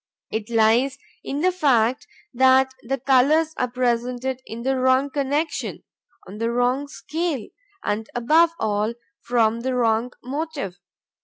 It lies in the fact that the colors are presented in the wrong connection, on the wrong scale, and, above all, from the wrong motive.